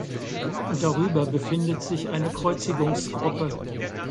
Darüber befindet sich eine Kreuzigungsgruppe.